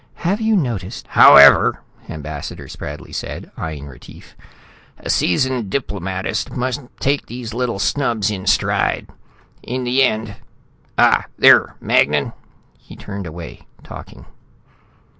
"Have you noticed " "However," Ambassador Spradley said, eyeing Retief, "a seasoned diplomatist must take these little snubs in stride. In the end Ah, there, Magnan." He turned away, talking.